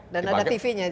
dan ada tv nya